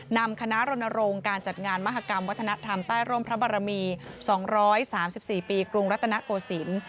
นำคณะรณรงค์การจัดงานมหากรรมวัฒนธรรมใต้ร่มพระบารมี๒๓๔ปีกรุงรัตนโกศิลป์